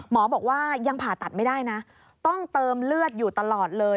หมอบอกว่ายังผ่าตัดไม่ได้นะต้องเติมเลือดอยู่ตลอดเลย